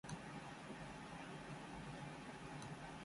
数学の勉強は将来の役に立つ